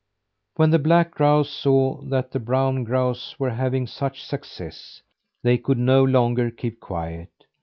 When the black grouse saw that the brown grouse were having such success, they could no longer keep quiet.